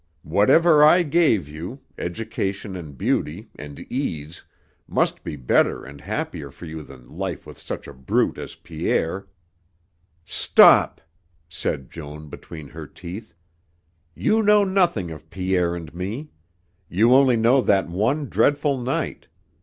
Whatever I gave you, education and beauty, and ease, must be better and happier for you than life with such a brute as Pierre " "Stop!" said Joan between her teeth; "you know nothing of Pierre and me; you only know that one dreadful night.